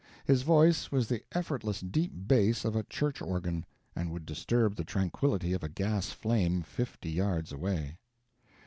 His voice was the effortless deep bass of a church organ, and would disturb the tranquility of a gas flame fifty yards away.